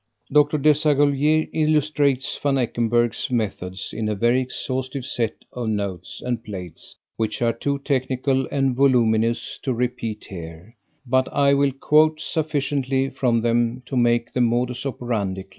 Dr. Desaguliers illustrates Van Eckenberg's methods in a very exhaustive set of notes and plates, which are too technical and voluminous to repeat here, but I will quote sufficiently from them to make the modus operandi clear.